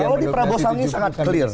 kalau di prabowo sandi sangat clear